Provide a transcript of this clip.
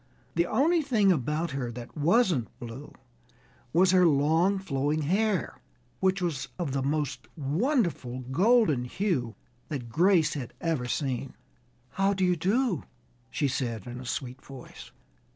The only thing about her that wasn't blue was her long flowing hair, which was of the most wonderful golden hue that Grace had ever seen. "How do you do?" she said in a sweet voice.